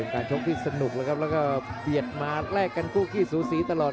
ที่สนุกแล้วก็เปรียบมาแรกกันคู่ขี้สูสีตลอด